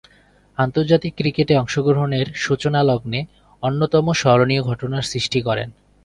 আন্তর্জাতিক ক্রিকেটে অংশগ্রহণের সূচনালগ্নে অন্যতম স্মরণীয় ঘটনার সৃষ্টি করেন।